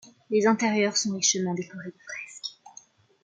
Les intérieurs sont richement décorés de fresques.